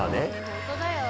本当だよ。